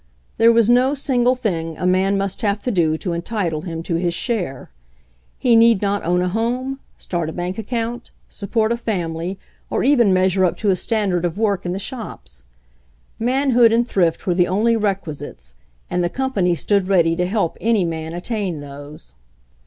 There was no single thing a man must have to do to entitle him to his share. He need not own a home, start a bank account, support a family, or even measure up to a standard of work in the shops. Manhood and thrift were the only requisites, and the company stood ready to help any man attain those.